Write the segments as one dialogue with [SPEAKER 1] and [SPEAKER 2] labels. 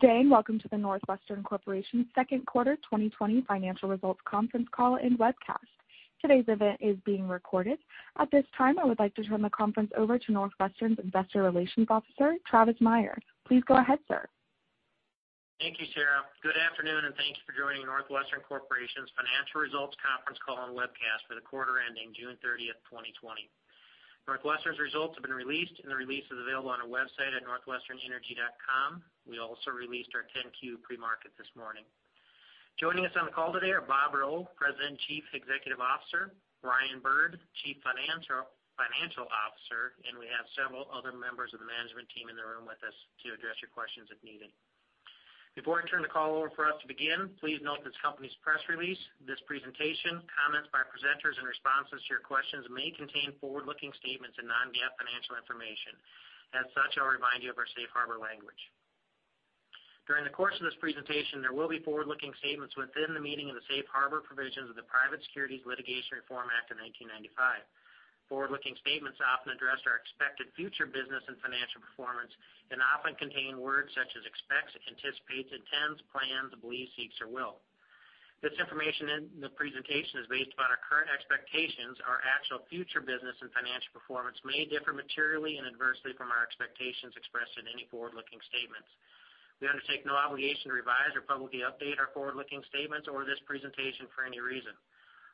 [SPEAKER 1] Good day, welcome to the NorthWestern Corporation second quarter 2020 financial results conference call and webcast. Today's event is being recorded. At this time, I would like to turn the conference over to NorthWestern's investor relations officer, Travis Meyer. Please go ahead, sir.
[SPEAKER 2] Thank you, Sarah. Good afternoon, and thank you for joining NorthWestern Corporation's financial results conference call and webcast for the quarter ending June 30, 2020. NorthWestern's results have been released. The release is available on our website at northwesternenergy.com. We also released our 10-Q pre-market this morning. Joining us on the call today are Bob Rowe, President and Chief Executive Officer, Brian Bird, Chief Financial Officer. We have several other members of the management team in the room with us to address your questions if needed. Before I turn the call over for us to begin, please note this company's press release, this presentation, comments by our presenters and responses to your questions may contain forward-looking statements and non-GAAP financial information. As such, I'll remind you of our safe harbor language. During the course of this presentation, there will be forward-looking statements within the meaning of the Safe Harbor Provisions of the Private Securities Litigation Reform Act of 1995. Forward-looking statements often address our expected future business and financial performance and often contain words such as expects, anticipates, intends, plans, believes, seeks, or will. This information in the presentation is based upon our current expectations. Our actual future business and financial performance may differ materially and adversely from our expectations expressed in any forward-looking statements. We undertake no obligation to revise or publicly update our forward-looking statements or this presentation for any reason.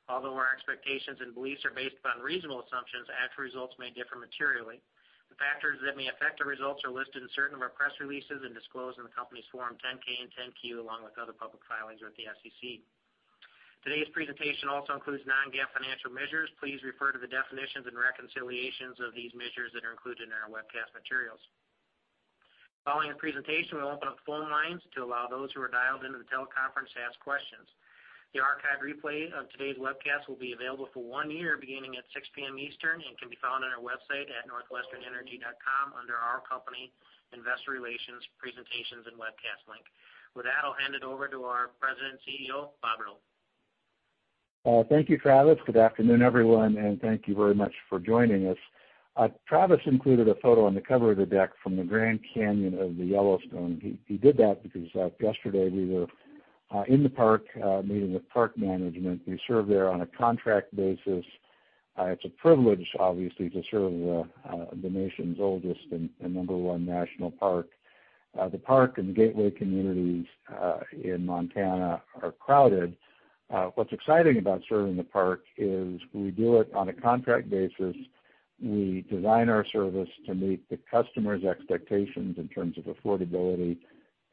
[SPEAKER 2] Although our expectations and beliefs are based upon reasonable assumptions, actual results may differ materially. The factors that may affect the results are listed in certain of our press releases and disclosed in the company's Form 10-K and 10-Q, along with other public filings with the SEC. Today's presentation also includes non-GAAP financial measures. Please refer to the definitions and reconciliations of these measures that are included in our webcast materials. Following the presentation, we'll open up the phone lines to allow those who are dialed into the teleconference to ask questions. The archive replay of today's webcast will be available for one year, beginning at 6:00 P.M. Eastern, can be found on our website at northwesternenergy.com under our company investor relations presentations and webcast link. With that, I'll hand it over to our President and CEO, Bob Rowe.
[SPEAKER 3] Thank you, Travis. Good afternoon, everyone, and thank you very much for joining us. Travis included a photo on the cover of the deck from the Grand Canyon of the Yellowstone. He did that because yesterday we were in the park, meeting with park management. We serve there on a contract basis. It's a privilege, obviously, to serve the nation's oldest and number one national park. The park and the gateway communities in Montana are crowded. What's exciting about serving the park is we do it on a contract basis. We design our service to meet the customer's expectations in terms of affordability,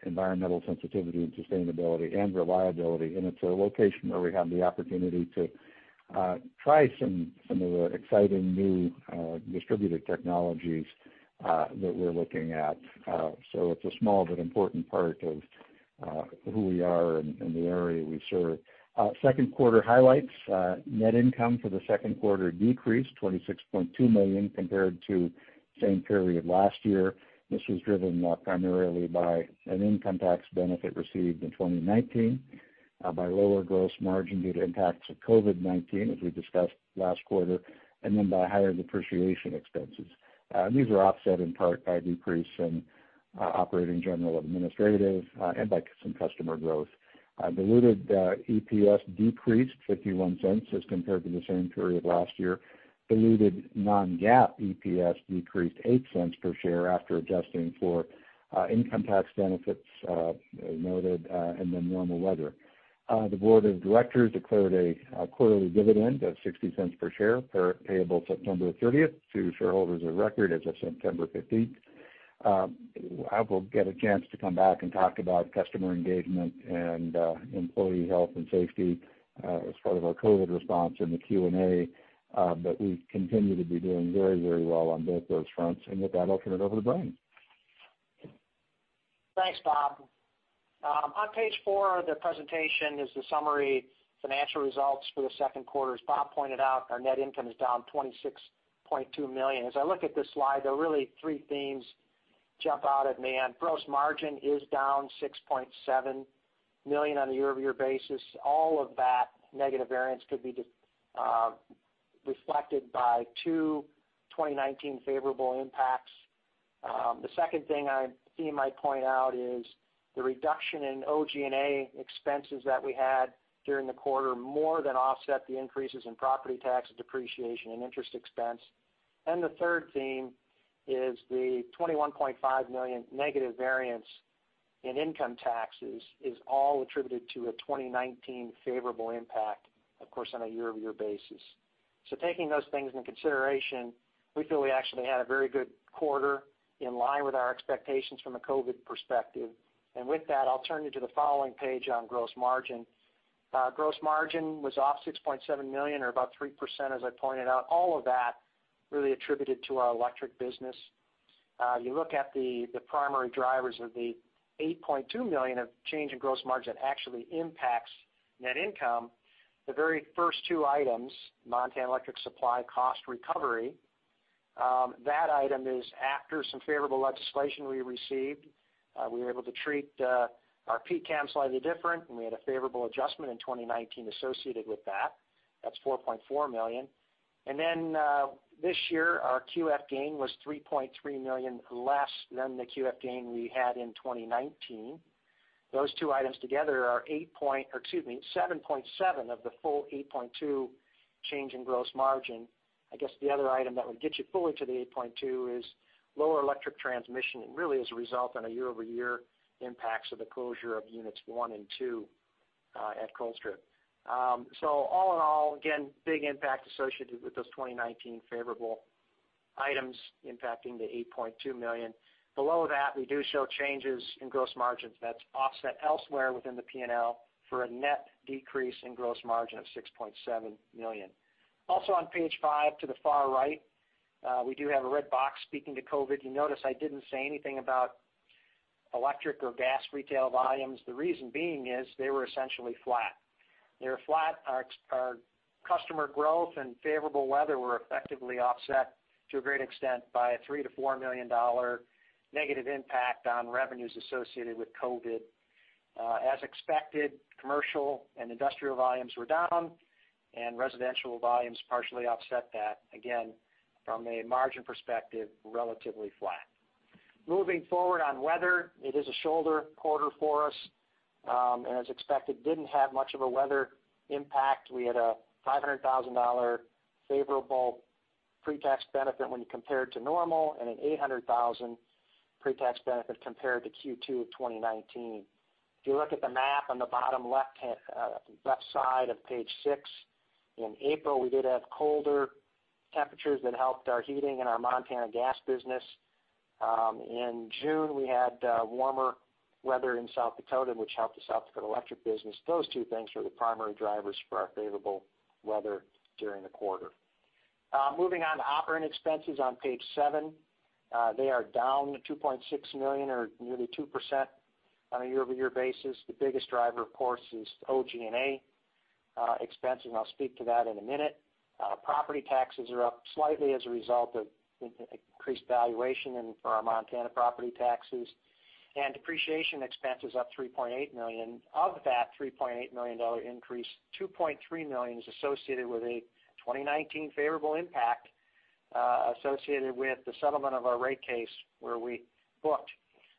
[SPEAKER 3] environmental sensitivity and sustainability, and reliability. It's a location where we have the opportunity to try some of the exciting new distributed technologies that we're looking at. It's a small but important part of who we are and the area we serve. Second quarter highlights. Net income for the second quarter decreased to $26.2 million compared to the same period last year. This was driven primarily by an income tax benefit received in 2019, by lower gross margin due to impacts of COVID-19, as we discussed last quarter, by higher depreciation expenses. These were offset in part by decreases in Operating, General, and Administrative, by some customer growth. Diluted EPS decreased $0.51 as compared to the same period last year. Diluted non-GAAP EPS decreased $0.08 per share after adjusting for income tax benefits noted and normal weather. The board of directors declared a quarterly dividend of $0.60 per share, payable September 30th to shareholders of record as of September 15th. I will get a chance to come back and talk about customer engagement and employee health and safety as part of our COVID response in the Q&A. We continue to be doing very well on both those fronts. With that, I'll turn it over to Brian.
[SPEAKER 4] Thanks, Bob Rowe. On Page four of the presentation is the summary financial results for the second quarter. As Bob Rowe pointed out, our net income is down $26.2 million. As I look at this slide, there are really three themes jump out at me. Gross margin is down $6.7 million on a year-over-year basis. All of that negative variance could be reflected by two 2019 favorable impacts. The second thing I see I might point out is the reduction in OG&A expenses that we had during the quarter more than offset the increases in property tax depreciation and interest expense. The third theme is the $21.5 million negative variance in income taxes is all attributed to a 2019 favorable impact, of course, on a year-over-year basis. Taking those things into consideration, we feel we actually had a very good quarter in line with our expectations from a COVID perspective. With that, I'll turn you to the following page on gross margin. Gross margin was off $6.7 million or about 3% as I pointed out, all of that really attributed to our electric business. You look at the primary drivers of the $8.2 million of change in gross margin actually impacts net income. The very first two items, Montana electric supply cost recovery. That item is after some favorable legislation we received. We were able to treat our PCCAM slightly different, and we had a favorable adjustment in 2019 associated with that. That's $4.4 million. This year, our QF gain was $3.3 million less than the QF gain we had in 2019. Those two items together are $7.7 of the full $8.2 change in gross margin. I guess the other item that would get you fully to the $8.2 is lower electric transmission, really as a result on a year-over-year impacts of the closure of units one and two at Colstrip. All in all, again, big impact associated with those 2019 favorable items impacting the $8.2 million. Below that, we do show changes in gross margins that's offset elsewhere within the P&L for a net decrease in gross margin of $6.7 million. Also on Page five to the far right, we do have a red box speaking to COVID. You notice I didn't say anything about electric or gas retail volumes. The reason being is they were essentially flat. They were flat. Our customer growth and favorable weather were effectively offset to a great extent by a $3 million-$4 million negative impact on revenues associated with COVID. As expected, commercial and industrial volumes were down. Residential volumes partially offset that, again, from a margin perspective, relatively flat. Moving forward on weather, it is a shoulder quarter for us. As expected, didn't have much of a weather impact. We had a $500,000 favorable pre-tax benefit when you compare it to normal, and a $800,000 pre-tax benefit compared to Q2 2019. If you look at the map on the bottom left side of Page six, in April, we did have colder temperatures that helped our heating and our Montana gas business. In June, we had warmer weather in South Dakota, which helped the South Dakota electric business. Those two things were the primary drivers for our favorable weather during the quarter. Moving on to operating expenses on Page seven. They are down $2.6 million or nearly 2% on a year-over-year basis. The biggest driver, of course, is OG&A expense. I'll speak to that in a minute. Property taxes are up slightly as a result of increased valuation for our Montana property taxes. Depreciation expense is up $3.8 million. Of that $3.8 million increase, $2.3 million is associated with a 2019 favorable impact associated with the settlement of our rate case where we booked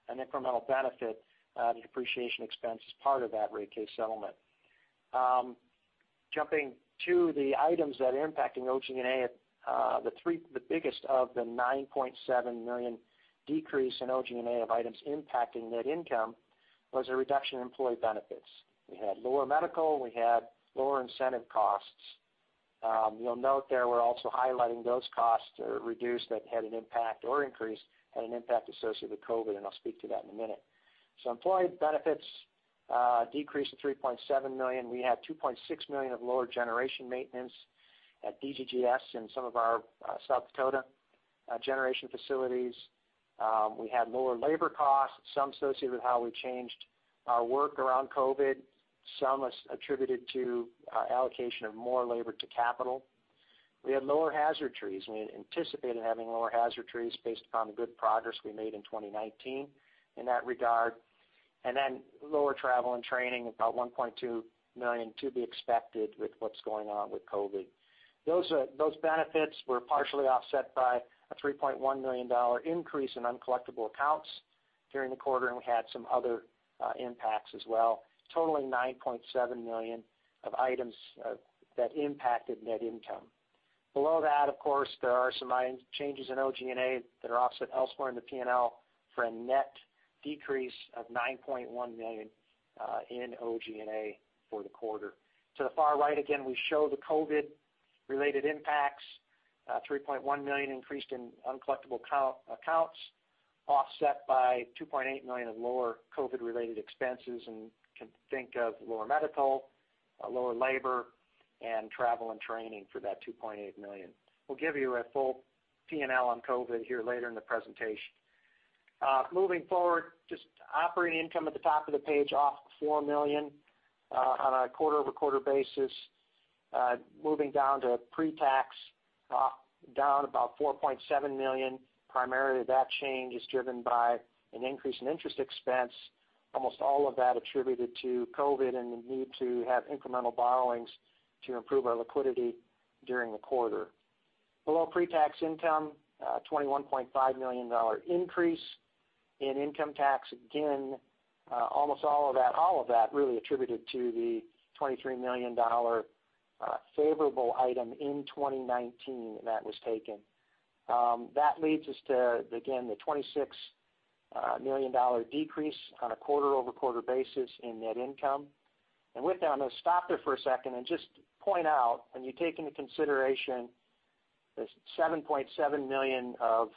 [SPEAKER 4] an incremental benefit, the depreciation expense as part of that rate case settlement. Jumping to the items that are impacting OG&A, the biggest of the $9.7 million decrease in OG&A of items impacting net income was a reduction in employee benefits. We had lower medical, we had lower incentive costs. You'll note there we're also highlighting those costs that are reduced that had an impact or increased had an impact associated with COVID, and I'll speak to that in a minute. Employee benefits decreased to $3.7 million. We had $2.6 million of lower generation maintenance at DGGS in some of our South Dakota generation facilities. We had lower labor costs, some associated with how we changed our work around COVID. Some was attributed to allocation of more labor to capital. We had lower hazard trees, and we anticipated having lower hazard trees based upon the good progress we made in 2019 in that regard. Lower travel and training, about $1.2 million to be expected with what's going on with COVID. Those benefits were partially offset by a $3.1 million increase in uncollectible accounts during the quarter, and we had some other impacts as well, totaling $9.7 million of items that impacted net income. Below that, of course, there are some changes in OG&A that are offset elsewhere in the P&L for a net decrease of $9.1 million in OG&A for the quarter. To the far right, again, we show the COVID-related impacts, $3.1 million increase in uncollectible accounts, offset by $2.8 million of lower COVID-related expenses and can think of lower medical, lower labor, and travel and training for that $2.8 million. We'll give you a full P&L on COVID here later in the presentation. Just operating income at the top of the page off $4 million on a quarter-over-quarter basis. Down about $4.7 million. Primarily, that change is driven by an increase in interest expense, almost all of that attributed to COVID and the need to have incremental borrowings to improve our liquidity during the quarter. Below pre-tax income, $21.5 million increase in income tax. Again, almost all of that really attributed to the $23 million favorable item in 2019 that was taken. That leads us to, again, the $26 million decrease on a quarter-over-quarter basis in net income. With that, I'm going to stop there for a second and just point out when you take into consideration this $7.7 million of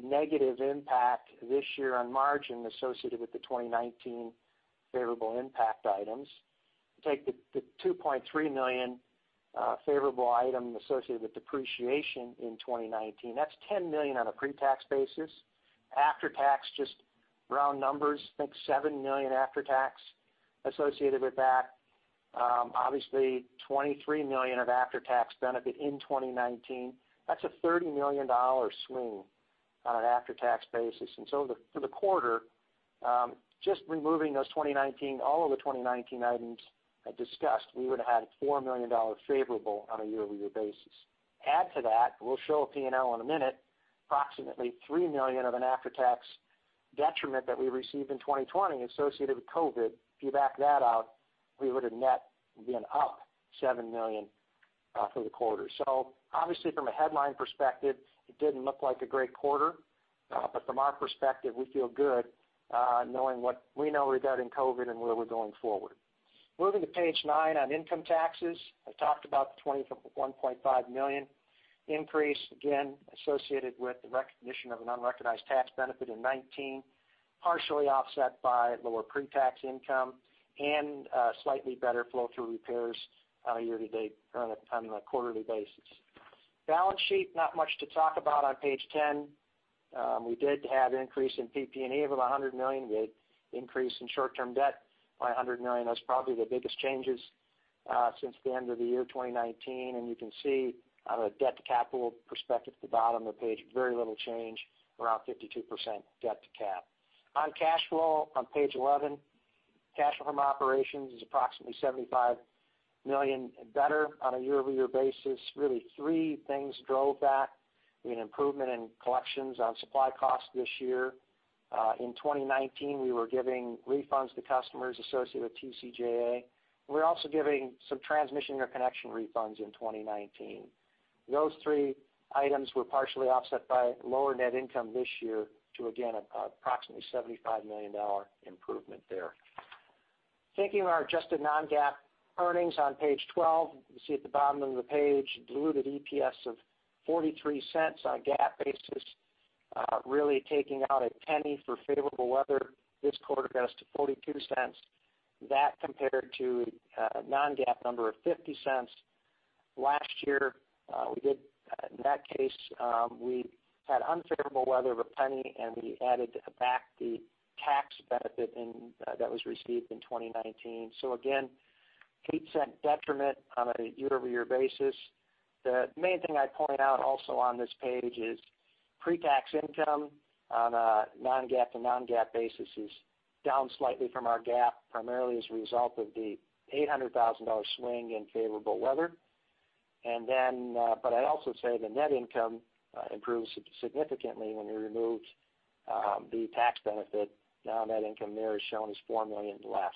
[SPEAKER 4] negative impact this year on margin associated with the 2019 favorable impact items. Take the $2.3 million favorable item associated with depreciation in 2019. That's $10 million on a pre-tax basis. After tax, just round numbers, think $7 million after tax associated with that. Obviously, $23 million of after-tax benefit in 2019. That's a $30 million swing on an after-tax basis. For the quarter, just removing all of the 2019 items I discussed, we would've had $4 million favorable on a year-over-year basis. Add to that, we'll show a P&L in a minute, approximately $3 million of an after-tax detriment that we received in 2020 associated with COVID. If you back that out, we would have net been up $7 million for the quarter. Obviously from a headline perspective, it didn't look like a great quarter. From our perspective, we feel good knowing what we know we got in COVID and where we're going forward. Moving to Page nine on income taxes. I talked about the $21.5 million increase, again, associated with the recognition of an unrecognized tax benefit in 2019, partially offset by lower pre-tax income and slightly better flow-through repairs on a year-to-date on a quarterly basis. Balance sheet, not much to talk about on Page 10. We did have an increase in PP&E of $100 million. We had increase in short-term debt by $100 million. That's probably the biggest changes since the end of the year 2019. You can see on a debt to capital perspective at the bottom of the page, very little change, around 52% debt to cap. On cash flow on Page 11, cash from operations is approximately $75 million better on a year-over-year basis. Really three things drove that. We had improvement in collections on supply costs this year. In 2019, we were giving refunds to customers associated with TCJA. We were also giving some transmission or connection refunds in 2019. Those three items were partially offset by lower net income this year to, again, approximately $75 million improvement there. Taking our adjusted non-GAAP earnings on Page 12, you see at the bottom of the page, diluted EPS of $0.43 on a GAAP basis, really taking out $0.01 for favorable weather this quarter got us to $0.42. That compared to a non-GAAP number of $0.50. Last year, in that case, we had unfavorable weather of $0.01, and we added back the tax benefit that was received in 2019. Again, $0.08 detriment on a year-over-year basis. The main thing I'd point out also on this page is pre-tax income on a non-GAAP to non-GAAP basis is down slightly from our GAAP, primarily as a result of the $800,000 swing in favorable weather. I'd also say the net income improves significantly when we remove the tax benefit. Net income there is shown as $4 million less.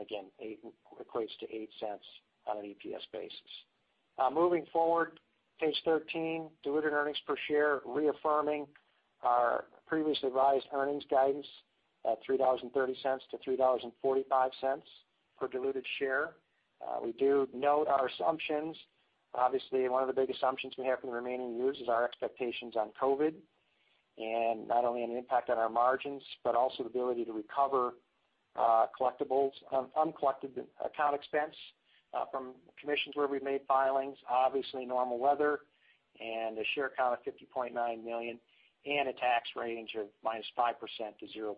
[SPEAKER 4] Again, equates to $0.08 on an EPS basis. Moving forward, Page 13, diluted earnings per share, reaffirming our previously revised earnings guidance at $3.30-$3.45 per diluted share. We do note our assumptions. Obviously, one of the big assumptions we have for the remaining years is our expectations on COVID, and not only an impact on our margins, but also the ability to recover uncollected account expense from commissions where we've made filings. Obviously, normal weather and a share count of 50.9 million and a tax range of -5% to 0%.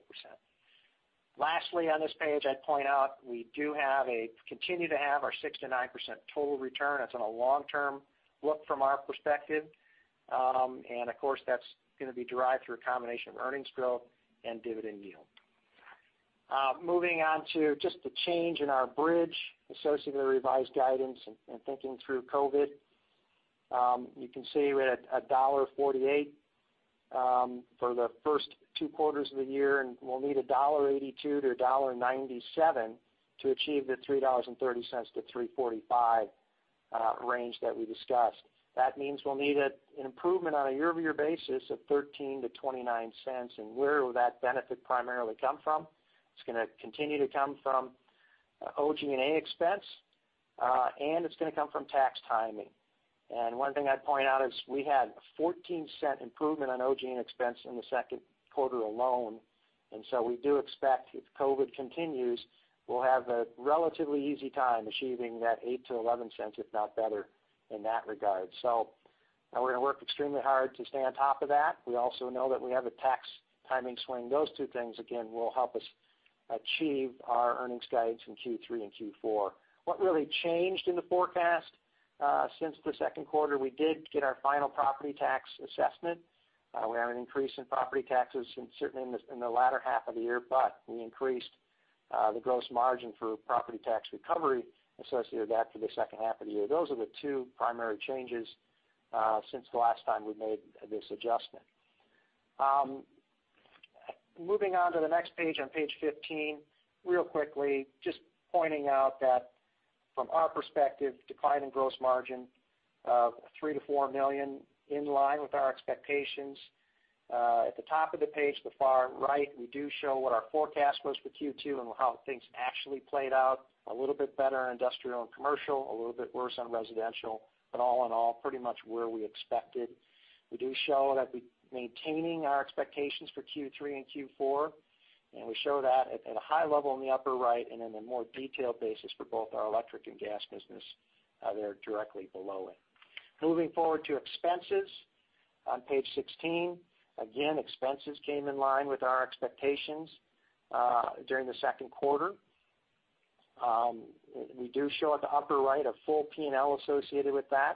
[SPEAKER 4] Lastly, on this page, I'd point out we do continue to have our 6%-9% total return. That's on a long-term look from our perspective. Of course, that's going to be derived through a combination of earnings growth and dividend yield. Moving on to just the change in our bridge associated with revised guidance and thinking through COVID. You can see we're at $1.48 for the first two quarters of the year, and we'll need $1.82-$1.97 to achieve the $3.30-$3.45 range that we discussed. That means we'll need an improvement on a year-over-year basis of $0.13-$0.29. Where will that benefit primarily come from? It's going to continue to come from OG&A expense, and it's going to come from tax timing. One thing I'd point out is we had a $0.14 improvement on OG&A expense in the second quarter alone. We do expect if COVID continues, we'll have a relatively easy time achieving that $0.08-$0.11, if not better, in that regard. We're going to work extremely hard to stay on top of that. We also know that we have a tax timing swing. Those two things, again, will help us achieve our earnings guidance in Q3 and Q4. What really changed in the forecast since the second quarter, we did get our final property tax assessment. We have an increase in property taxes certainly in the latter half of the year, but we increased the gross margin for property tax recovery associated with that for the second half of the year. Those are the two primary changes since the last time we made this adjustment. Moving on to the next page, on Page 15, real quickly, just pointing out that from our perspective, decline in gross margin of $3 million-$4 million, in line with our expectations. At the top of the page, the far right, we do show what our forecast was for Q2 and how things actually played out. A little bit better on industrial and commercial, a little bit worse on residential, but all in all, pretty much where we expected. We do show that we're maintaining our expectations for Q3 and Q4, and we show that at a high level in the upper right and in a more detailed basis for both our electric and gas business there directly below it. Moving forward to expenses on Page 16. Again, expenses came in line with our expectations during the second quarter. We do show at the upper right a full P&L associated with that.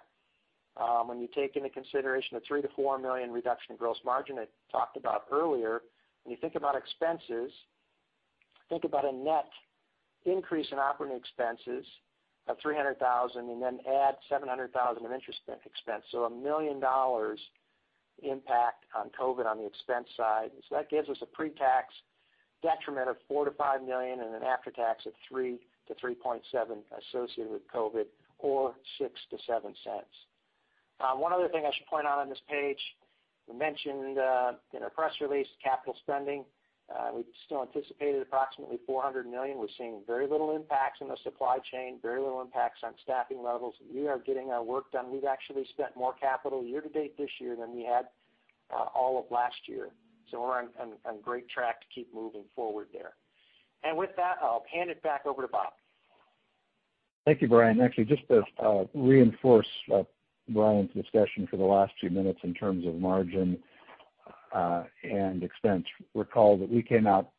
[SPEAKER 4] When you take into consideration the $3 million-$4 million reduction in gross margin I talked about earlier, when you think about expenses, think about a net increase in operating expenses of 300,000, then add 700,000 of interest expense. A $1 million impact on COVID on the expense side. That gives us a pre-tax detriment of $4 million-$5 million, and then after tax of $3 million-$3.7 million associated with COVID, or $0.06-$0.07. One other thing I should point out on this page, we mentioned in our press release, capital spending. We still anticipated approximately $400 million. We're seeing very little impacts in the supply chain, very little impacts on staffing levels. We are getting our work done. We've actually spent more capital year to date this year than we had all of last year. We're on great track to keep moving forward there. With that, I'll hand it back over to Bob.
[SPEAKER 3] Thank you, Brian. Just to reinforce Brian's discussion for the last few minutes in terms of margin and expense. Recall that we came out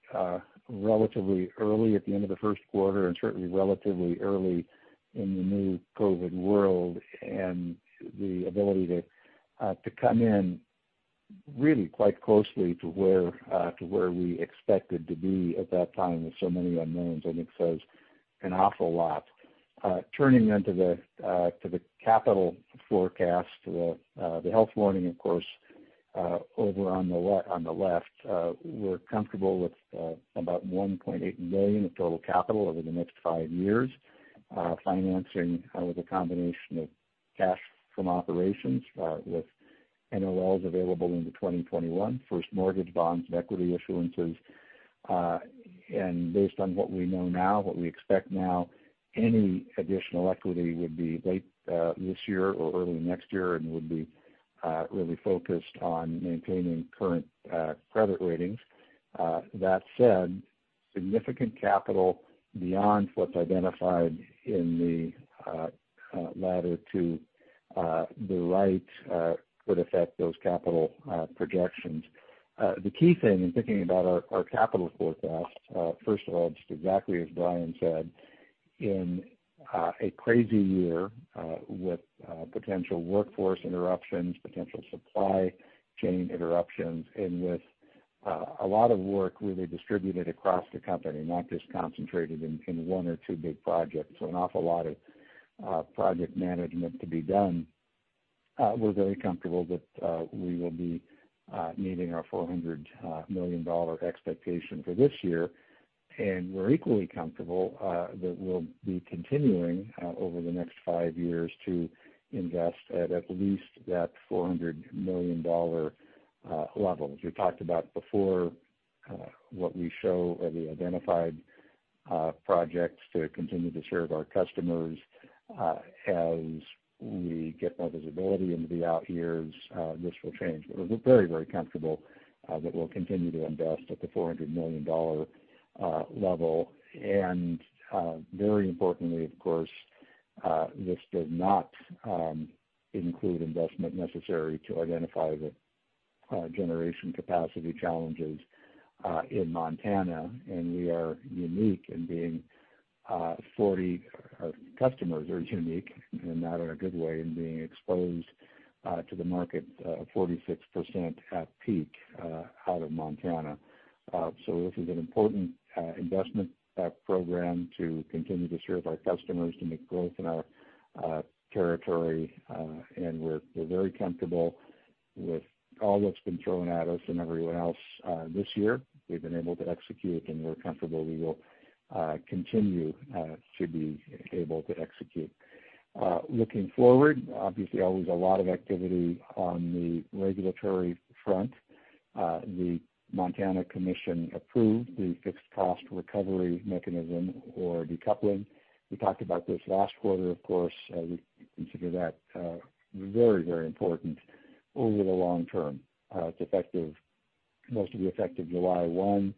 [SPEAKER 3] relatively early at the end of the first quarter, and certainly relatively early in the new COVID world, and the ability to come in really quite closely to where we expected to be at that time with so many unknowns, I think says an awful lot. Turning to the capital forecast, the health warning, of course over on the left. We're comfortable with about $1.8 million of total capital over the next five years, financing with a combination of cash from operations with NOLs available into 2021, first mortgage bonds and equity issuances. Based on what we know now, what we expect now, any additional equity would be late this year or early next year and would be really focused on maintaining current credit ratings. That said, significant capital beyond what's identified in the ladder to the right would affect those capital projections. The key thing in thinking about our capital forecast, first of all, just exactly as Brian said, in a crazy year with potential workforce interruptions, potential supply chain interruptions, and with a lot of work really distributed across the company, not just concentrated in one or two big projects. An awful lot of project management to be done. We're very comfortable that we will be meeting our $400 million expectation for this year, and we're equally comfortable that we'll be continuing over the next five years to invest at at least that $400 million level. As we talked about before, what we show are the identified projects to continue to serve our customers. As we get more visibility into the out years, this will change. We're very comfortable that we'll continue to invest at the $400 million level. Very importantly, of course, this does not include investment necessary to identify the generation capacity challenges in Montana, and our customers are unique in not in a good way, in being exposed to the market 46% at peak out of Montana. This is an important investment program to continue to serve our customers, to make growth in our territory. We're very comfortable with all that's been thrown at us and everyone else this year. We've been able to execute, and we're comfortable we will continue to be able to execute. Looking forward, obviously, always a lot of activity on the regulatory front. The Montana Commission approved the fixed cost recovery mechanism or decoupling. We talked about this last quarter, of course. We consider that very important over the long term. Most will be effective July 1.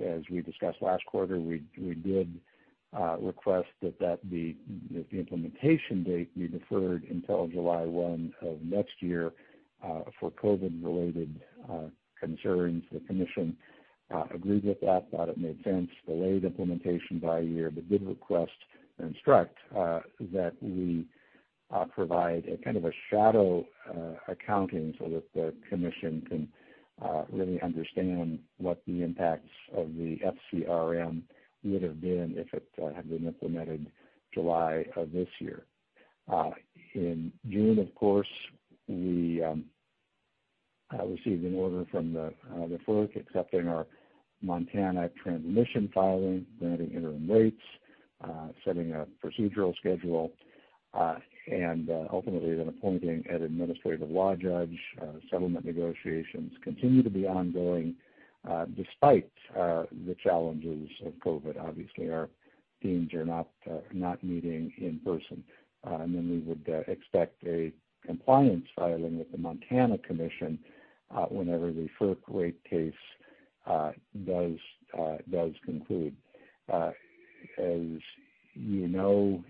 [SPEAKER 3] As we discussed last quarter, we did request that the implementation date be deferred until July 1 of next year for COVID-related concerns. The Commission agreed with that, thought it made sense, delayed implementation by a year, but did request and instruct that we provide a kind of a shadow accounting so that the Commission can really understand what the impacts of the FCRM would have been if it had been implemented July of this year. In June, of course, we received an order from the FERC accepting our Montana transmission filing, granting interim rates, setting a procedural schedule, and ultimately then appointing an administrative law judge. Settlement negotiations continue to be ongoing despite the challenges of COVID. Obviously, our teams are not meeting in person. We would expect a compliance filing with the Montana Commission whenever the FERC rate case does conclude. As you know,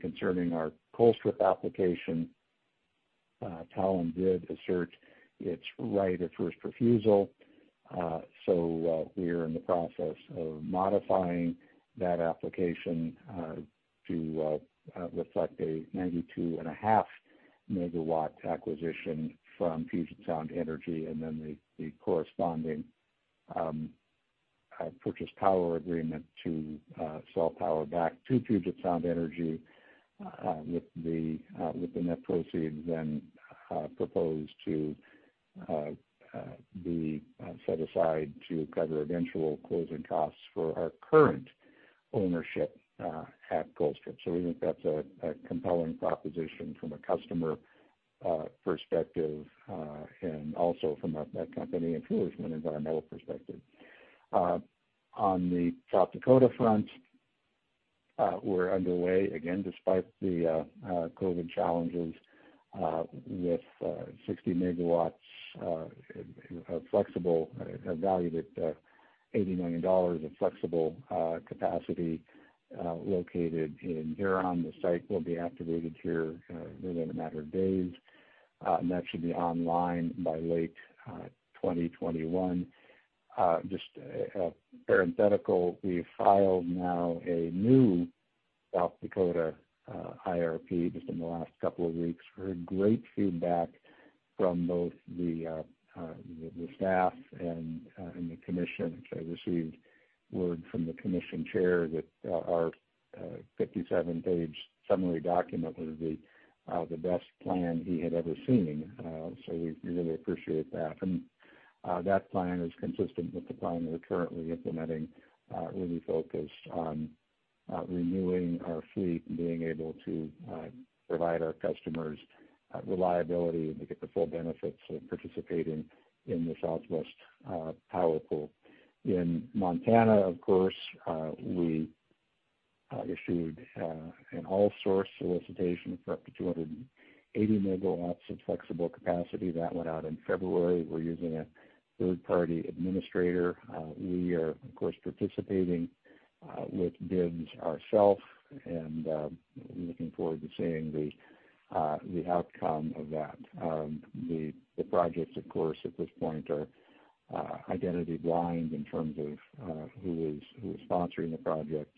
[SPEAKER 3] concerning our Colstrip application, Talen did assert its right of first refusal. We're in the process of modifying that application to reflect a 92.5-megawatt acquisition from Puget Sound Energy, and then the corresponding purchase power agreement to sell power back to Puget Sound Energy, with the net proceeds then proposed to be set aside to cover eventual closing costs for our current ownership at Colstrip. We think that's a compelling proposition from a customer perspective, and also from a company and fuels, from an environmental perspective. On the South Dakota front, we're underway again, despite the COVID challenges, with 60 MW, valued at $80 million of flexible capacity located in Huron. The site will be activated here within a matter of days, and that should be online by late 2021. Just a parenthetical, we filed now a new South Dakota IRP just in the last couple of weeks. Heard great feedback from both the staff and the commission. Actually, I received word from the commission chair that our 57-page summary document was the best plan he had ever seen. We really appreciate that. That plan is consistent with the plan we're currently implementing, really focused on renewing our fleet and being able to provide our customers reliability, and to get the full benefits of participating in the Southwest Power Pool. In Montana, of course, we issued an all-source solicitation for up to 280 MW of flexible capacity. That went out in February. We're using a third-party administrator. We are, of course, participating with bids ourself, and looking forward to seeing the outcome of that. The projects, of course, at this point, are identity blind in terms of who is sponsoring the projects.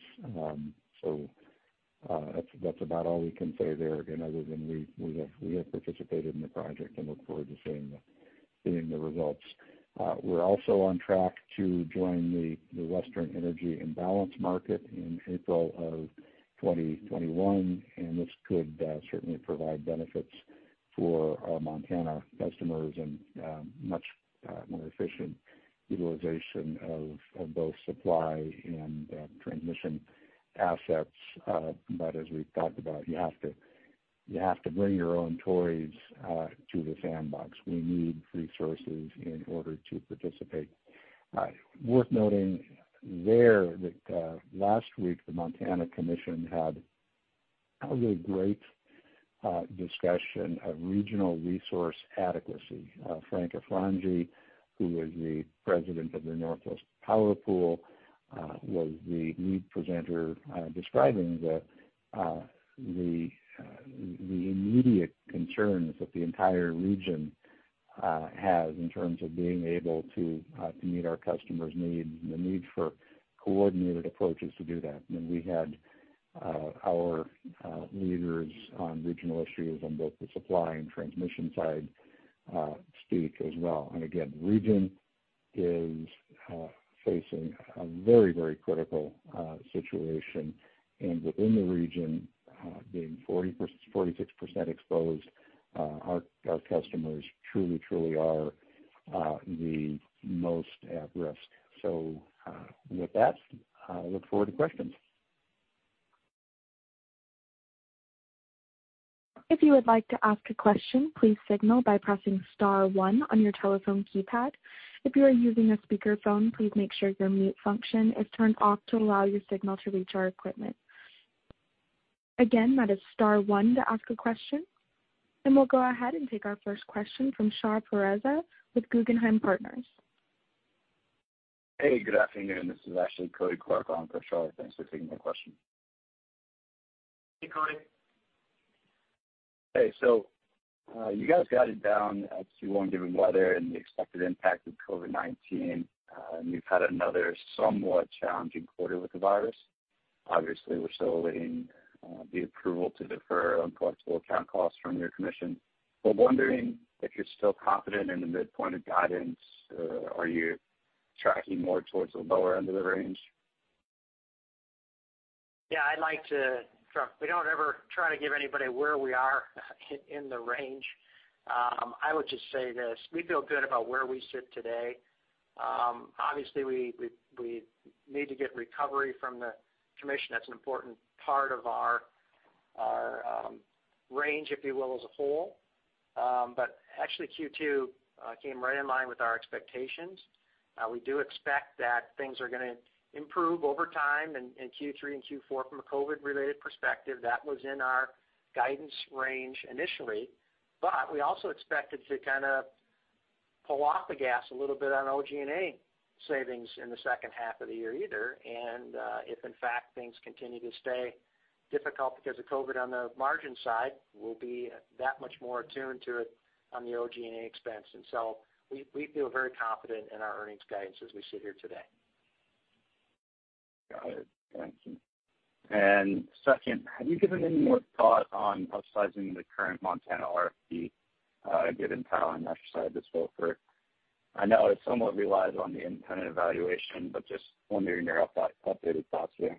[SPEAKER 3] That's about all we can say there, other than we have participated in the project and look forward to seeing the results. We're also on track to join the Western Energy Imbalance Market in April of 2021. This could certainly provide benefits for our Montana customers and much more efficient utilization of both supply and transmission assets. As we've talked about, you have to bring your own toys to the sandbox. We need resources in order to participate. Worth noting there that last week, the Montana Commission had a really great discussion of regional resource adequacy. Frank Afranji, who is the President of the Northwest Power Pool, was the lead presenter describing the immediate concerns that the entire region has in terms of being able to meet our customers' needs and the need for coordinated approaches to do that. We had our leaders on regional issues on both the supply and transmission side speak as well. Again, the region is facing a very critical situation. Within the region, being 46% exposed, our customers truly are the most at risk. With that, I look forward to questions.
[SPEAKER 1] If you would like to ask a question, please signal by pressing star one on your telephone keypad. If you are using a speakerphone, please make sure your mute function is turned off to allow your signal to reach our equipment. Again, that is star one to ask a question. We'll go ahead and take our first question from Shar Pourreza with Guggenheim Partners.
[SPEAKER 5] Hey, good afternoon. This is actually Kody Clark on for Shar. Thanks for taking my question.
[SPEAKER 4] Hey, Kody.
[SPEAKER 5] Hey. You guys guided down due to warm weather and the expected impact of COVID-19, and you've had another somewhat challenging quarter with the virus. Obviously, we're still awaiting the approval to defer uncollectible account costs from your commission. We're wondering if you're still confident in the midpoint of guidance, or are you tracking more towards the lower end of the range?
[SPEAKER 4] Yeah, Trump, we don't ever try to give anybody where we are in the range. I would just say this, we feel good about where we sit today. Obviously, we need to get recovery from the commission. That's an important part of our range, if you will, as a whole. Actually, Q2 came right in line with our expectations. We do expect that things are going to improve over time in Q3 and Q4 from a COVID-related perspective. That was in our guidance range initially. We also expected to. pull off the gas a little bit on OG&A savings in the second half of the year either. If in fact, things continue to stay difficult because of COVID on the margin side, we'll be that much more attuned to it on the OG&A expense. We feel very confident in our earnings guidance as we sit here today.
[SPEAKER 5] Got it. Thank you. Second, have you given any more thought on upsizing the current Montana RFP, given power on that side of this? I know it somewhat relies on the intended evaluation, just wondering your updated thoughts there.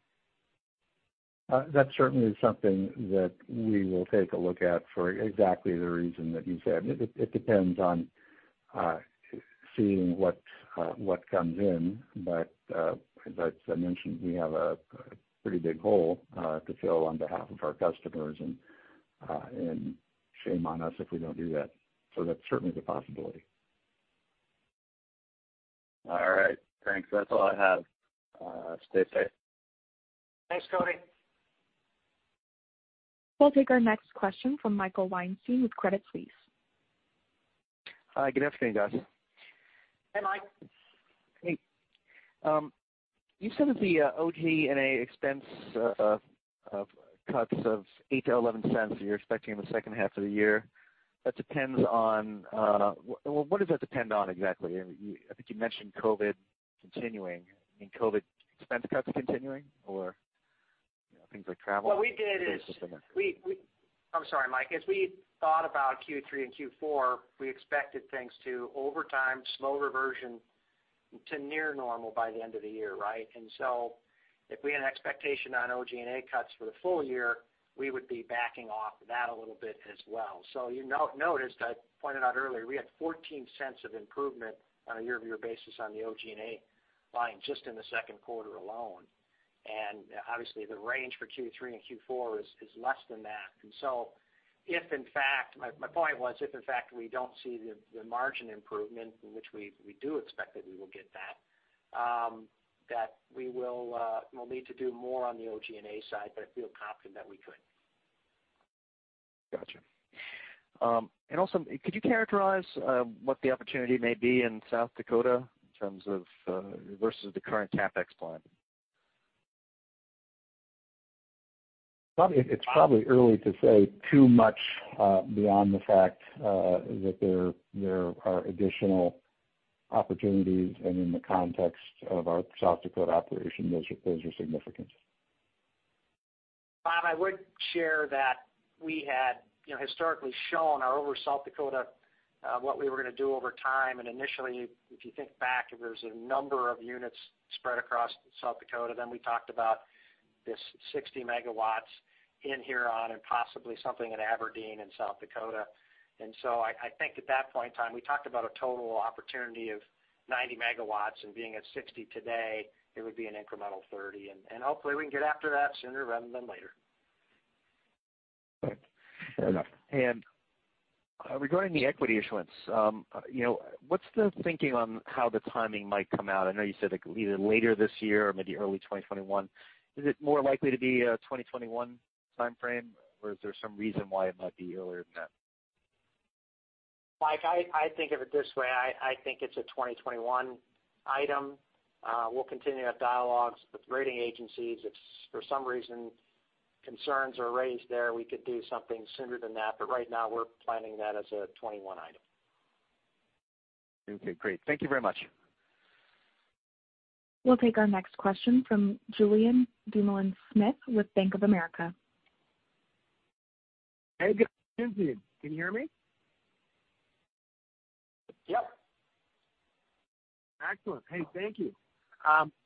[SPEAKER 3] That certainly is something that we will take a look at for exactly the reason that you said. It depends on seeing what comes in. As I mentioned, we have a pretty big hole to fill on behalf of our customers, and shame on us if we don't do that. That's certainly the possibility.
[SPEAKER 5] All right, thanks. That's all I have. Stay safe.
[SPEAKER 4] Thanks, Kody.
[SPEAKER 1] We'll take our next question from Michael Weinstein with Credit Suisse.
[SPEAKER 6] Hi, good afternoon, guys.
[SPEAKER 4] Hey, Mike.
[SPEAKER 6] Hey. You said that the OG&A expense of cuts of $0.08-$0.11 that you're expecting in the second half of the year. What does that depend on exactly? I think you mentioned COVID continuing. You mean COVID expense cuts are continuing or things like travel?
[SPEAKER 4] What we did, I'm sorry, Mike. As we thought about Q3 and Q4, we expected things to, over time, slow reversion to near normal by the end of the year, right? If we had an expectation on OG&A cuts for the full-year, we would be backing off of that a little bit as well. You noticed, I pointed out earlier, we had $0.14 of improvement on a year-over-year basis on the OG&A line just in the second quarter alone. Obviously the range for Q3 and Q4 is less than that. My point was if, in fact, we don't see the margin improvement in which we do expect that we will get that we'll need to do more on the OG&A side, but feel confident that we could.
[SPEAKER 6] Got you. Also, could you characterize what the opportunity may be in South Dakota in terms of versus the current CapEx plan?
[SPEAKER 3] It's probably early to say too much beyond the fact that there are additional opportunities, and in the context of our South Dakota operation, those are significant.
[SPEAKER 4] Bob Rowe, I would share that we had historically shown our over South Dakota, what we were going to do over time. Initially, if you think back, there's a number of units spread across South Dakota. We talked about this 60 megawatts in Huron and possibly something in Aberdeen and South Dakota. I think at that point in time, we talked about a total opportunity of 90 megawatts. Being at 60 today, it would be an incremental 30, and hopefully we can get after that sooner rather than later.
[SPEAKER 6] Okay, fair enough. Regarding the equity issuance, what's the thinking on how the timing might come out? I know you said either later this year or maybe early 2021. Is it more likely to be a 2021 timeframe, or is there some reason why it might be earlier than that?
[SPEAKER 4] Mike, I think of it this way, I think it's a 2021 item. We'll continue to have dialogues with rating agencies. If for some reason concerns are raised there, we could do something sooner than that. Right now, we're planning that as a 2021 item.
[SPEAKER 6] Okay, great. Thank you very much.
[SPEAKER 1] We'll take our next question from Julien Dumoulin-Smith with Bank of America.
[SPEAKER 7] Hey, good afternoon to you. Can you hear me?
[SPEAKER 4] Yep.
[SPEAKER 7] Excellent. Hey, thank you.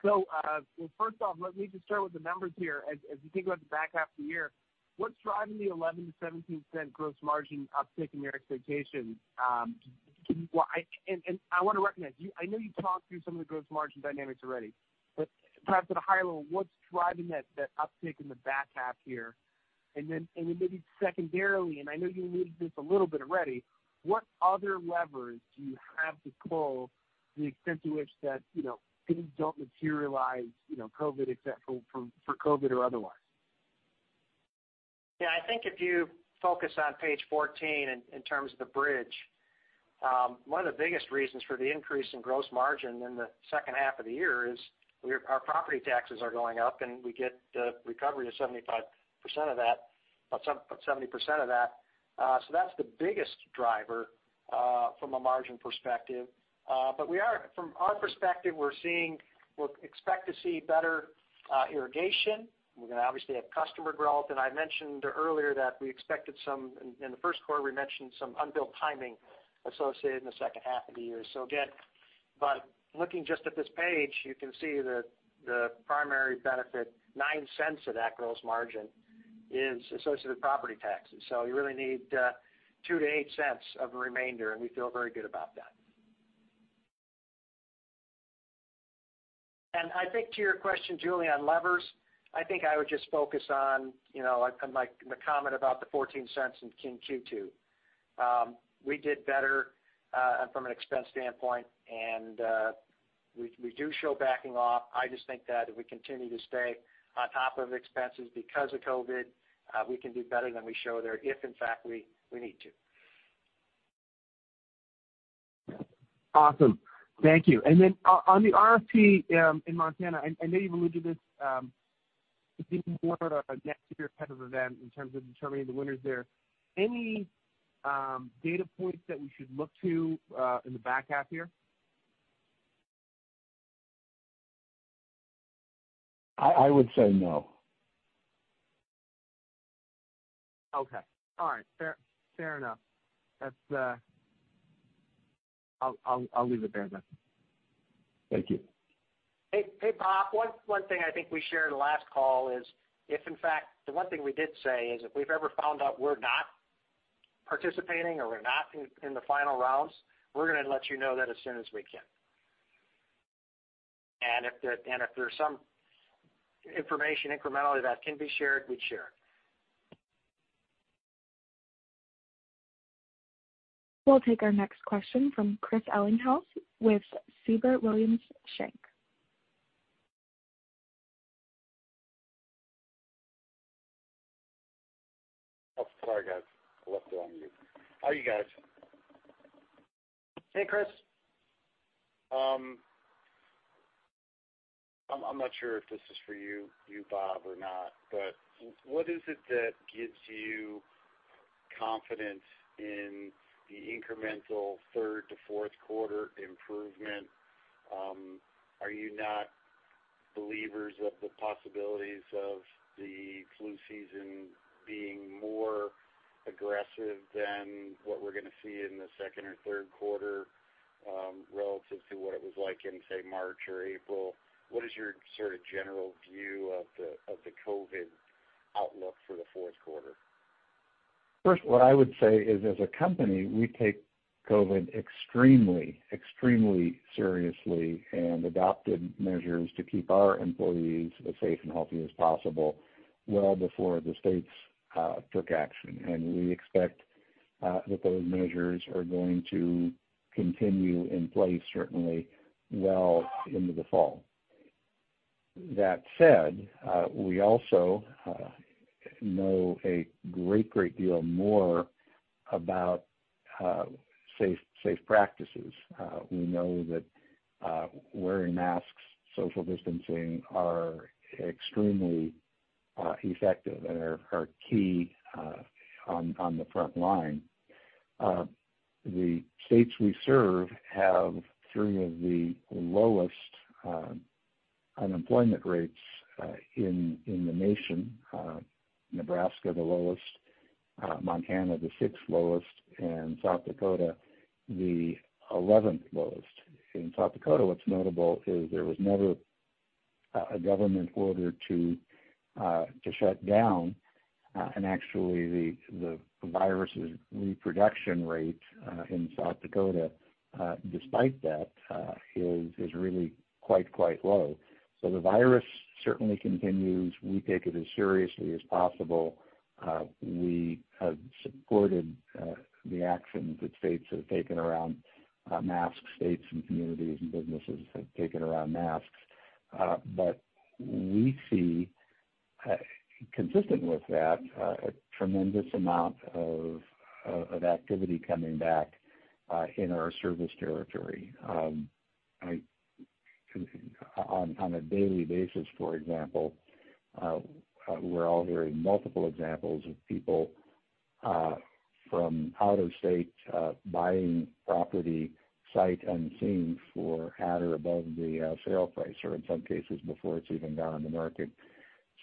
[SPEAKER 7] First off, let me just start with the numbers here. As you think about the back half of the year, what's driving the 11%-17% gross margin uptick in your expectation? I want to recognize, I know you talked through some of the gross margin dynamics already, but perhaps at a high level, what's driving that uptick in the back half here? Maybe secondarily, and I know you alluded to this a little bit already, what other levers do you have to pull to the extent to which that things don't materialize for COVID or otherwise?
[SPEAKER 4] Yeah, I think if you focus on Page 14 in terms of the bridge, one of the biggest reasons for the increase in gross margin in the second half of the year is our property taxes are going up, and we get the recovery of 75% of that— about 70% of that. That's the biggest driver from a margin perspective. From our perspective, we expect to see better irrigation. We're going to obviously have customer growth. I mentioned earlier that in the first quarter, we mentioned some unbilled timing associated in the second half of the year. Looking just at this page, you can see the primary benefit, $0.09 of that gross margin is associated with property taxes. You really need $0.02-$0.08 of the remainder, and we feel very good about that. I think to your question, Julien, on levers, I think I would just focus on my comment about the $0.14 in Q2. We did better from an expense standpoint and we do show backing off. I just think that if we continue to stay on top of expenses because of COVID, we can do better than we show there if in fact we need to.
[SPEAKER 7] Awesome. Thank you. On the RFP in Montana, I know you've alluded to this, it being more of a next year type of event in terms of determining the winners there. Any data points that we should look to in the back half year?
[SPEAKER 3] I would say no.
[SPEAKER 7] Okay. All right. Fair enough. I'll leave it there then.
[SPEAKER 3] Thank you.
[SPEAKER 4] Hey, Bob. One thing I think we shared last call is, the one thing we did say is, if we've ever found out we're not participating or we're not in the final rounds, we're going to let you know that as soon as we can. If there's some information incrementally that can be shared, we'd share it.
[SPEAKER 1] We'll take our next question from Chris Ellinghaus with Siebert Williams Shank.
[SPEAKER 8] Oh, sorry, guys. I left you on mute. How are you guys?
[SPEAKER 4] Hey, Chris.
[SPEAKER 8] I'm not sure if this is for you, Bob, or not, but what is it that gives you confidence in the incremental third to fourth quarter improvement? Are you not believers of the possibilities of the flu season being more aggressive than what we're going to see in the second or third quarter, relative to what it was like in, say, March or April? What is your sort of general view of the COVID outlook for the fourth quarter?
[SPEAKER 3] First, what I would say is, as a company, we take COVID extremely seriously and adopted measures to keep our employees as safe and healthy as possible well before the states took action. We expect that those measures are going to continue in place, certainly well into the fall. That said, we also know a great deal more about safe practices. We know that wearing masks, social distancing are extremely effective and are key on the front line. The states we serve have three of the lowest unemployment rates in the nation. Nebraska, the lowest, Montana, the sixth lowest, and South Dakota, the 11th lowest. In South Dakota, what's notable is there was never a government order to shut down. Actually, the virus's reproduction rate in South Dakota, despite that, is really quite low. The virus certainly continues. We take it as seriously as possible. We have supported the actions that states have taken around masks, states and communities and businesses have taken around masks. We see, consistent with that, a tremendous amount of activity coming back in our service territory. On a daily basis, for example, we are all hearing multiple examples of people from out of state buying property sight unseen for at or above the sale price, or in some cases, before it is even gone on the market.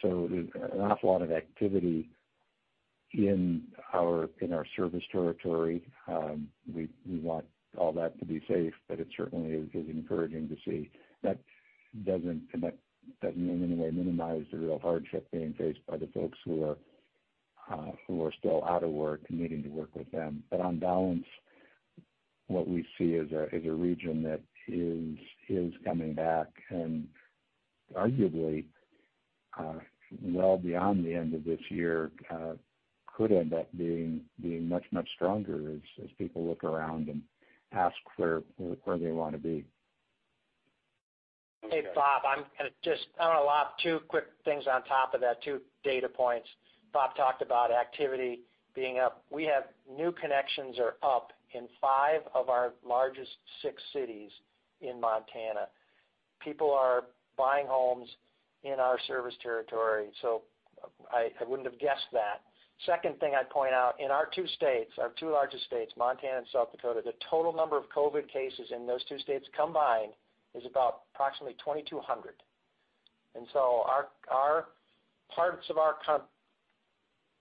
[SPEAKER 3] An awful lot of activity in our service territory. We want all that to be safe, but it certainly is encouraging to see. That doesn't in any way minimize the real hardship being faced by the folks who are still out of work and needing to work with them. On balance, what we see is a region that is coming back and arguably well beyond the end of this year could end up being much stronger as people look around and ask where they want to be.
[SPEAKER 4] Hey, Bob, I'm going to just add two quick things on top of that, two data points. Bob talked about activity being up. We have new connections are up in five of our largest six cities in Montana. People are buying homes in our service territory. I wouldn't have guessed that. Second thing I'd point out, in our two states, our two largest states, Montana and South Dakota, the total number of COVID cases in those two states combined is about approximately 2,200.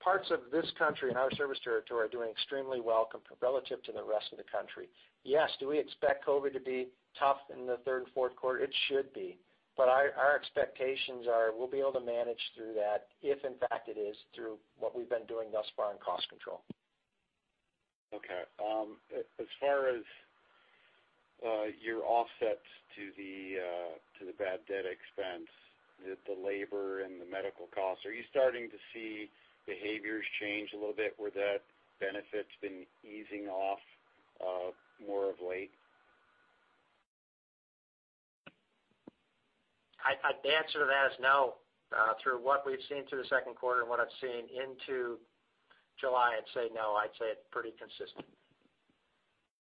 [SPEAKER 4] Parts of this country and our service territory are doing extremely well relative to the rest of the country. Yes, do we expect COVID to be tough in the third and fourth quarter? It should be, but our expectations are we'll be able to manage through that if in fact it is through what we've been doing thus far in cost control.
[SPEAKER 8] Okay. As far as your offsets to the bad debt expense, the labor and the medical costs, are you starting to see behaviors change a little bit where that benefit's been easing off more of late?
[SPEAKER 4] The answer to that is no. Through what we've seen through the second quarter and what I've seen into July, I'd say no. I'd say it's pretty consistent.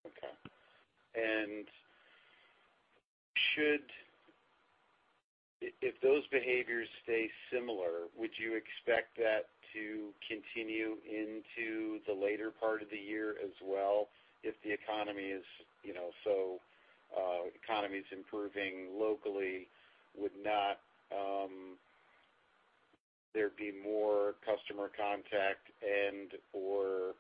[SPEAKER 8] Okay. If those behaviors stay similar, would you expect that to continue into the later part of the year as well? If the economy is improving locally, would not there be more customer contact and/or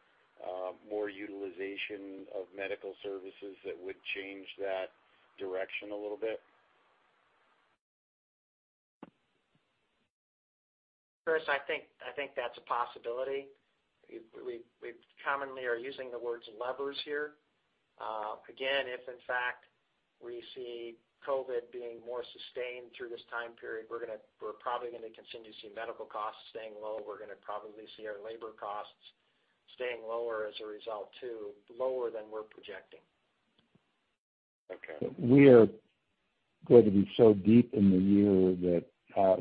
[SPEAKER 8] more utilization of medical services that would change that direction a little bit?
[SPEAKER 4] Chris, I think that's a possibility. We commonly are using the words levers here. If in fact we see COVID being more sustained through this time period, we're probably going to continue to see medical costs staying low. We're going to probably see our labor costs staying lower as a result, too, lower than we're projecting.
[SPEAKER 8] Okay.
[SPEAKER 3] We are going to be so deep in the year that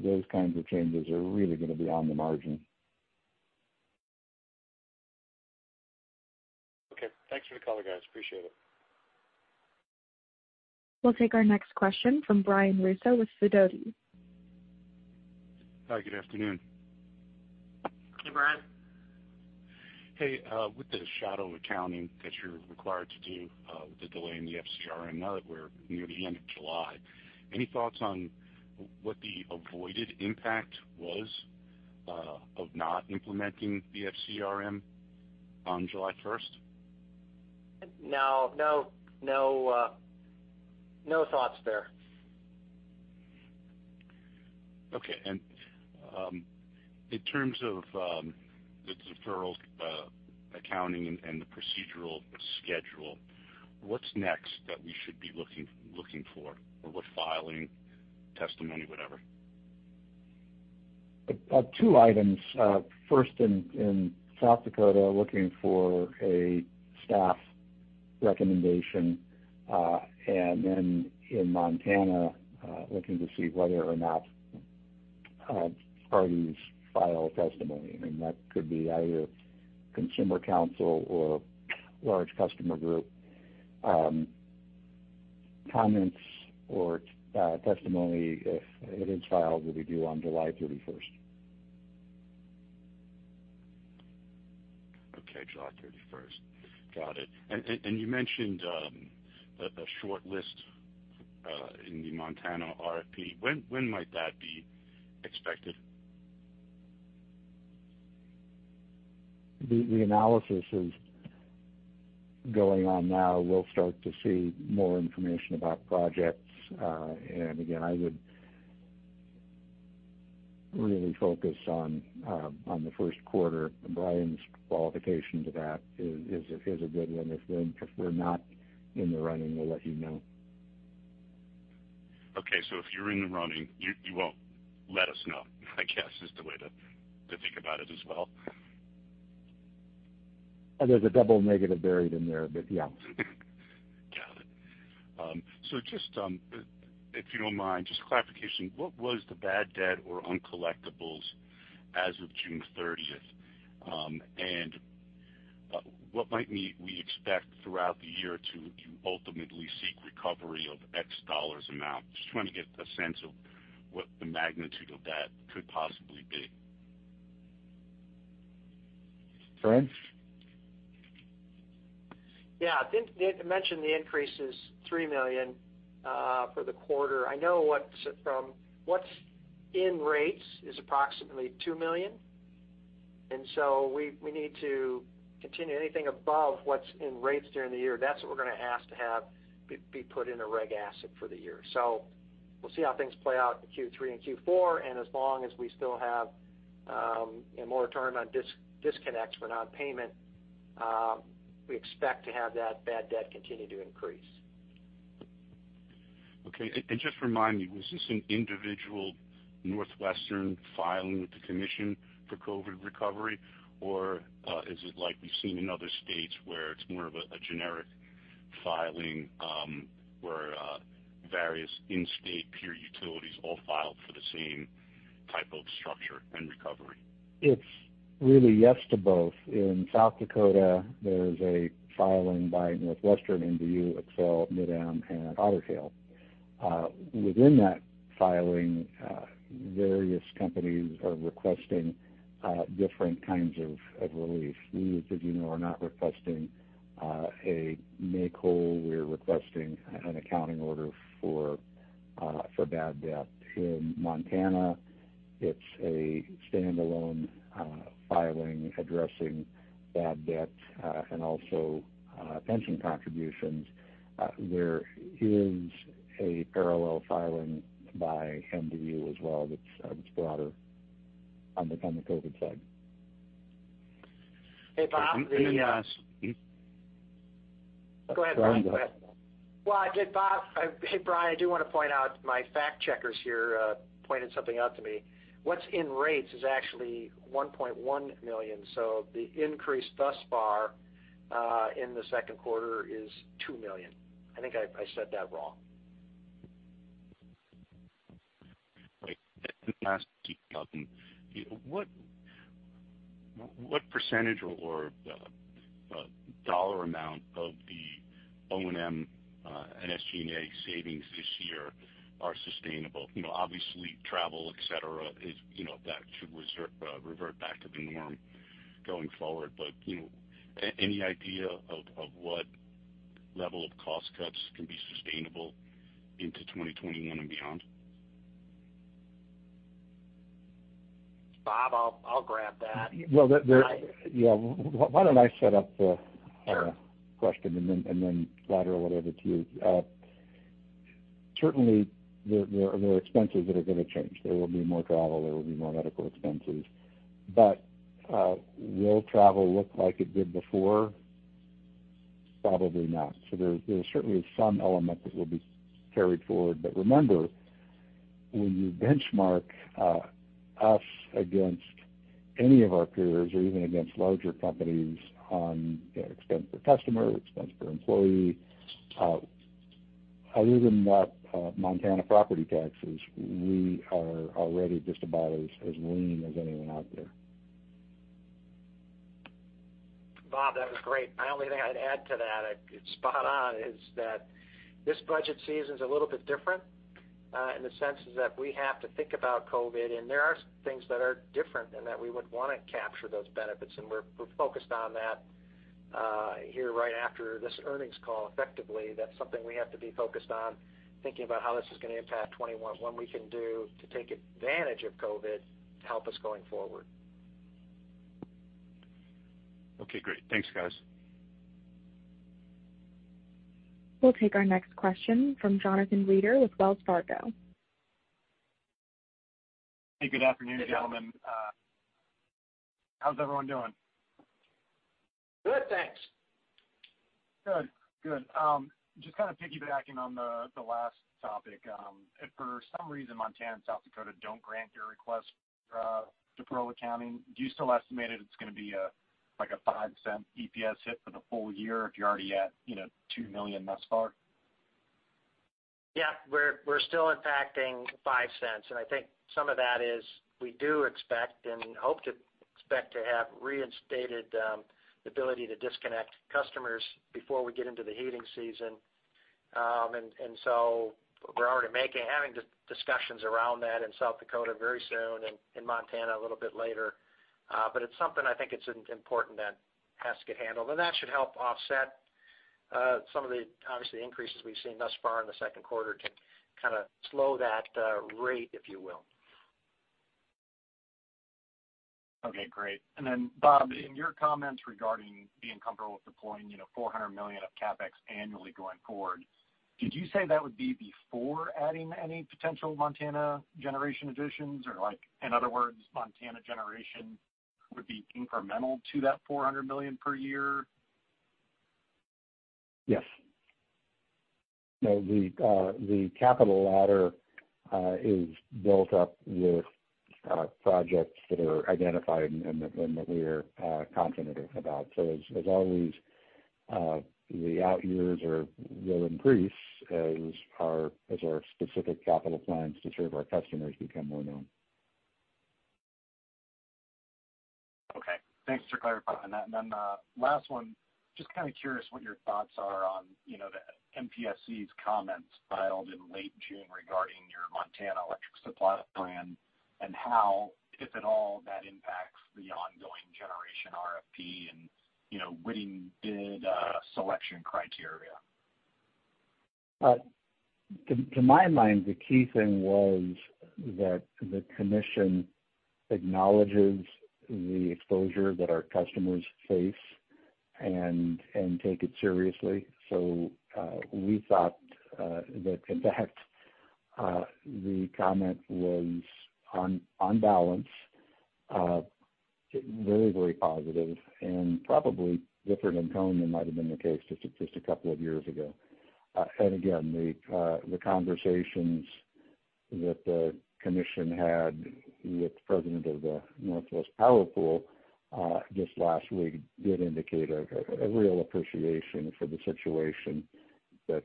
[SPEAKER 3] those kinds of changes are really going to be on the margin.
[SPEAKER 8] Okay. Thanks for the call, guys. Appreciate it.
[SPEAKER 1] We'll take our next question from Brian Russo with Sidoti.
[SPEAKER 9] Hi, good afternoon.
[SPEAKER 4] Hey, Brian.
[SPEAKER 9] Hey, with the shadow accounting that you're required to do with the delay in the FCRM, now that we're near the end of July, any thoughts on what the avoided impact was of not implementing the FCRM on July 1st?
[SPEAKER 4] No. No thoughts there.
[SPEAKER 9] Okay. In terms of the deferral accounting and the procedural schedule, what's next that we should be looking for? What filing, testimony, whatever?
[SPEAKER 3] Two items. First, in South Dakota, looking for a staff recommendation. In Montana, looking to see whether or not parties file testimony. I mean, that could be either Consumer Counsel or large customer group. Comments or testimony, if it is filed, will be due on July 31st.
[SPEAKER 9] Okay, July 31st. Got it. You mentioned a short list in the Montana RFP. When might that be expected?
[SPEAKER 3] The analysis is going on now. We'll start to see more information about projects. Again, I would really focus on the first quarter. Brian's qualification to that is a good one. If we're not in the running, we'll let you know.
[SPEAKER 9] Okay. If you're in the running, you won't let us know, I guess is the way to think about it as well.
[SPEAKER 3] There's a double negative buried in there, but yeah.
[SPEAKER 9] Got it. If you don't mind, just clarification, what was the bad debt or uncollectibles as of June 30th? What might we expect throughout the year to ultimately seek recovery of X dollars amount? Just trying to get a sense of what the magnitude of that could possibly be.
[SPEAKER 3] Brian?
[SPEAKER 4] I think I mentioned the increase is $3 million for the quarter. What's in rates is approximately $2 million, we need to continue anything above what's in rates during the year. That's what we're going to ask to have be put in a regulatory asset for the year. We'll see how things play out in Q3 and Q4, as long as we still have a more turn on disconnects for nonpayment, we expect to have that bad debt continue to increase.
[SPEAKER 9] Okay. Just remind me, was this an individual NorthWestern filing with the commission for COVID recovery, or is it like we've seen in other states where it's more of a generic filing, where various in-state peer utilities all file for the same type of structure and recovery?
[SPEAKER 3] It's really yes to both. In South Dakota, there's a filing by NorthWestern, MDU, Xcel, MidAmerican, and Otter Tail. Within that filing, various companies are requesting different kinds of relief. We, as you know, are not requesting a make whole. We're requesting an accounting order for bad debt. In Montana, it's a standalone filing addressing bad debt and also pension contributions. There is a parallel filing by MDU as well that's broader on the COVID side.
[SPEAKER 4] Hey, Bob.
[SPEAKER 3] Let me ask-
[SPEAKER 4] Go ahead, Brian. Go ahead. Well, I did, Bob. Hey, Brian, I do want to point out, my fact checkers here pointed something out to me. What's in rates is actually $1.1 million. The increase thus far, in the second quarter is $2 million. I think I said that wrong.
[SPEAKER 9] Wait. Let me ask you, Calvin. What % or dollar amount of the O&M, OG&A savings this year are sustainable? Obviously, travel, et cetera, that should revert back to the norm going forward. Any idea of what level of cost cuts can be sustainable into 2021 and beyond?
[SPEAKER 4] Bob, I'll grab that.
[SPEAKER 3] Well, why don't I set up.
[SPEAKER 4] Sure
[SPEAKER 3] question and then ladder it over to you. Certainly, there are expenses that are going to change. There will be more travel. There will be more medical expenses. Will travel look like it did before? Probably not. There certainly is some element that will be carried forward. Remember, when you benchmark us against any of our peers or even against larger companies on expense per customer, expense per employee, other than Montana property taxes, we are already just about as lean as anyone out there.
[SPEAKER 4] Bob, that was great. My only thing I'd add to that, it's spot on, is that this budget season's a little bit different, in the sense that we have to think about COVID. There are things that are different and that we would want to capture those benefits, and we're focused on that here right after this earnings call, effectively. That's something we have to be focused on, thinking about how this is going to impact 2021. What we can do to take advantage of COVID to help us going forward.
[SPEAKER 9] Okay, great. Thanks, guys.
[SPEAKER 1] We'll take our next question from Jonathan Reeder with Wells Fargo.
[SPEAKER 10] Hey, good afternoon, gentlemen. How's everyone doing?
[SPEAKER 4] Good, thanks.
[SPEAKER 10] Good. Just kind of piggybacking on the last topic. If for some reason Montana and South Dakota don't grant your request for deferral accounting, do you still estimate it's going to be like a $0.05 EPS hit for the full-year if you're already at $2 million thus far?
[SPEAKER 4] Yeah, we're still impacting $0.05. I think some of that is we do expect and hope to expect to have reinstated the ability to disconnect customers before we get into the heating season. We're already having discussions around that in South Dakota very soon and in Montana a little bit later. It's something I think it's important that has to get handled. That should help offset some of the, obviously, increases we've seen thus far in the second quarter to kind of slow that rate, if you will.
[SPEAKER 10] Okay, great. Bob, in your comments regarding being comfortable with deploying $400 million of CapEx annually going forward, did you say that would be before adding any potential Montana generation additions? Or, in other words, Montana generation would be incremental to that $400 million per year?
[SPEAKER 3] Yes. The capital ladder is built up with projects that are identified and that we're confident about. As always, the out years will increase as our specific capital plans to serve our customers become more known.
[SPEAKER 10] Okay, thanks for clarifying that. Then last one, just kind of curious what your thoughts are on the MPSC's comments filed in late June regarding your Montana electric supply plan and how, if at all, that impacts the ongoing generation RFP and winning bid selection criteria.
[SPEAKER 3] To my mind, the key thing was that the commission acknowledges the exposure that our customers face and take it seriously. We thought that, in fact, the comment was on balance, very, very positive and probably different in tone than might have been the case just a couple of years ago. Again, the conversations that the commission had with the president of the Northwest Power Pool just last week did indicate a real appreciation for the situation that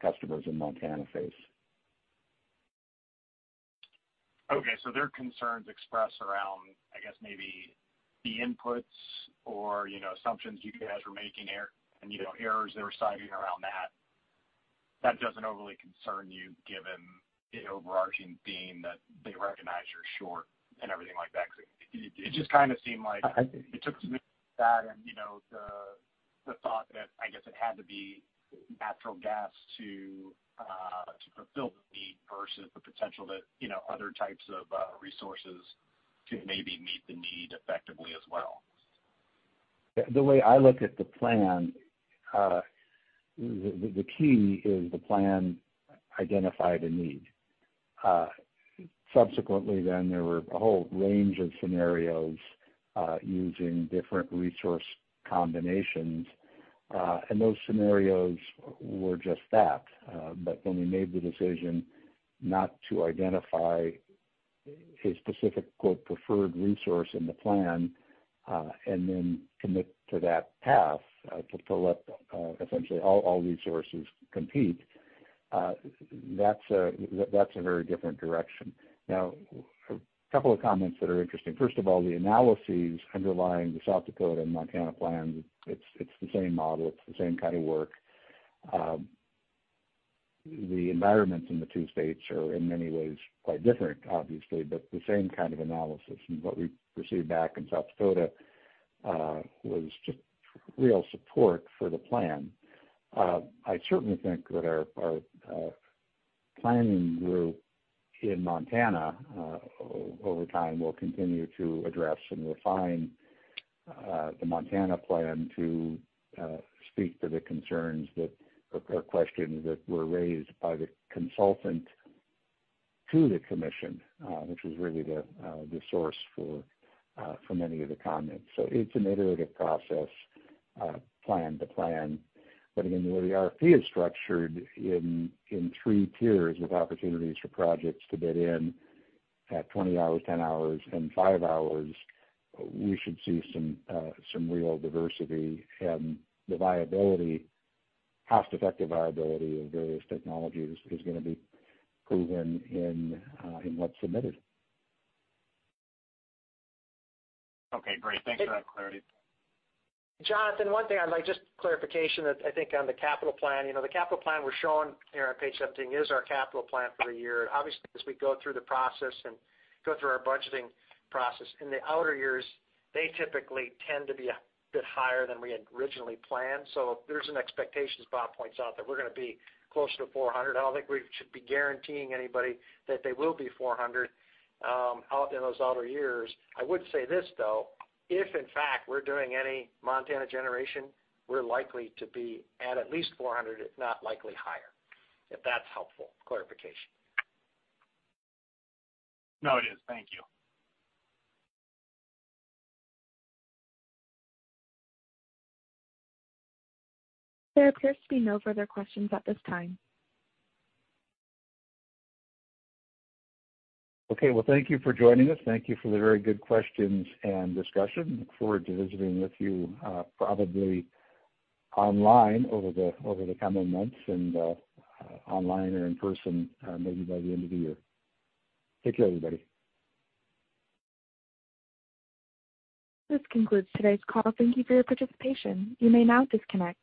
[SPEAKER 3] customers in Montana face.
[SPEAKER 10] Okay, their concerns expressed around, I guess maybe the inputs or assumptions you guys were making there and errors they were citing around that doesn't overly concern you given the overarching theme that they recognize you're short and everything like that? It just kind of seemed like it took that and the thought that, I guess it had to be natural gas to fulfill the need versus the potential that other types of resources could maybe meet the need effectively as well.
[SPEAKER 3] The way I look at the plan, the key is the plan identified a need. Subsequently, there were a whole range of scenarios using different resource combinations. Those scenarios were just that. When we made the decision not to identify a specific preferred resource in the plan, and then commit to that path, to let essentially all resources compete, that's a very different direction. A couple of comments that are interesting. First of all, the analyses underlying the South Dakota and Montana plans, it's the same model, it's the same kind of work. The environments in the two states are in many ways quite different, obviously, but the same kind of analysis. What we received back in South Dakota was just real support for the plan. I certainly think that our planning group in Montana, over time, will continue to address and refine the Montana plan to speak to the concerns or questions that were raised by the consultant to the commission, which was really the source for many of the comments. It's an iterative process, plan to plan. Again, the way the RFP is structured in 3 tiers with opportunities for projects to bid in at 20 hours, 10 hours and five hours, we should see some real diversity. The cost-effective viability of various technologies is going to be proven in what's submitted.
[SPEAKER 10] Okay, great. Thanks for that clarity.
[SPEAKER 4] Jonathan, one thing I'd like, just clarification, I think on the capital plan. The capital plan we're showing here on Page 17 is our capital plan for the year. As we go through the process and go through our budgeting process, in the outer years, they typically tend to be a bit higher than we had originally planned. There's an expectation, as Bob points out, that we're going to be closer to $400 million. I don't think we should be guaranteeing anybody that they will be $400 million out in those outer years. I would say this, though. If, in fact, we're doing any Montana generation, we're likely to be at least $400 million, if not likely higher. If that's helpful clarification.
[SPEAKER 10] No, it is. Thank you.
[SPEAKER 1] There appears to be no further questions at this time.
[SPEAKER 3] Okay. Well, thank you for joining us. Thank you for the very good questions and discussion. Look forward to visiting with you probably online over the coming months, and online or in person maybe by the end of the year. Take care, everybody.
[SPEAKER 1] This concludes today's call. Thank you for your participation. You may now disconnect.